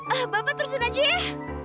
ah bapak terusin aja ya